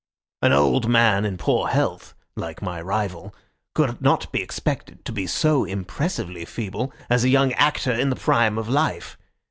An old man in poor health, like my rival, could not be expected to be so impressively feeble as a young actor in the prime of life.